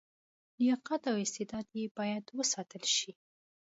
لیاقت او استعداد یې باید وستایل شي.